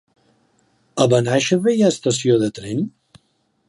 A Benaixeve hi ha estació de tren?